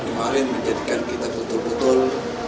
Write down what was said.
kemarin menjadikan kita betul betul